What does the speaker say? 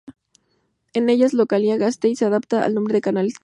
Entre ellas Localia Gasteiz, que adopta el nombre de Canal Gasteiz.